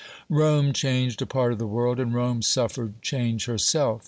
Rome changed a part of the world, and Rome suffered change herself.